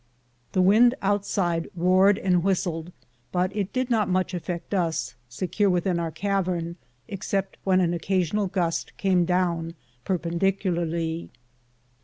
The wind outside roared and whistled, but it did not much affect us, secure within our cavern, except when an oc casional gust came down perpendicularly.